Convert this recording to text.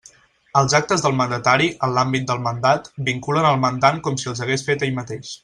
Els actes del mandatari, en l'àmbit del mandat, vinculen el mandant com si els hagués fet ell mateix.